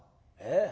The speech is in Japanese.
え？